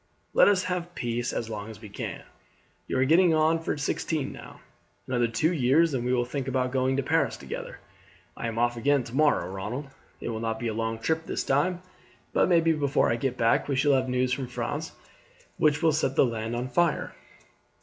Let us have peace as long as we can. You are getting on for sixteen now; another two years and we will think about going to Paris together. I am off again tomorrow, Ronald; it will not be a long trip this time, but maybe before I get back we shall have news from France which will set the land on fire."